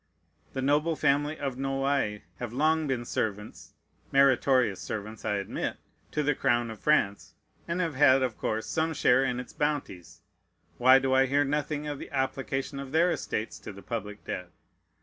The noble family of Noailles have long been servants (meritorious servants I admit) to the crown of France, and have had of course some share in its bounties. Why do I hear nothing of the application of their estates to the public debt?